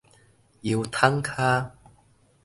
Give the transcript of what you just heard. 油桶跤